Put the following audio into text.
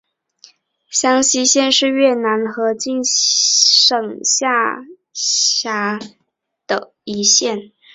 香溪县是越南河静省下辖的一县。